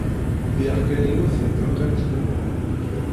Bbiɣ kan yiwet n telqimt n weɣrum.